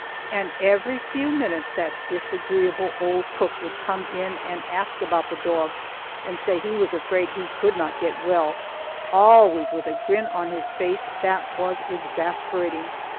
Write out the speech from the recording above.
And every few minutes that disagreeable old cook would come in and ask about the dog, and say he was afraid he could not get well always with a grin on his face that was exasperating.